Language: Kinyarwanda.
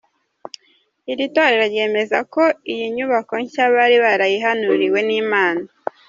Iri torero ryemeza ko iyi nyubako nshya bari barayihanuriwe n’Imana.